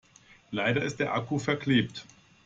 Leider ist der Akku verklebt.